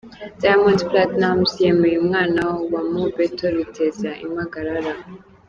Diamond Platnumz yemeye umwana wa Mobetto biteza impagarara